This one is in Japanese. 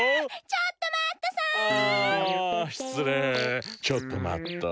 ちょっと待っと！